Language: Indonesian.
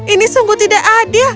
ini sungguh tidak adil